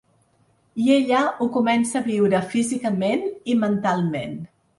I ella ho comença a viure físicament i mentalment.